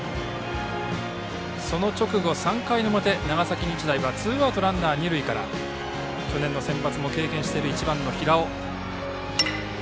その直後、３回の表長崎日大はツーアウトランナー、二塁から去年のセンバツも経験している１番の平尾。